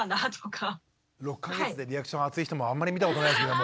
６か月でリアクション熱い人もあんまり見たことないですけども。